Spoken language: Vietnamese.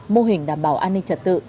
mô hình đảm bảo an ninh trật tự